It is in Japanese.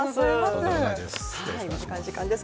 とんでもないです。